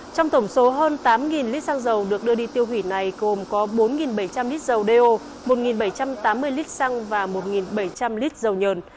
trong tổng số hơn tám lít xăng dầu được đưa đi tiêu hủy này gồm có bốn bảy trăm linh lít dầu do một bảy trăm tám mươi lít xăng và một bảy trăm linh lít dầu nhờn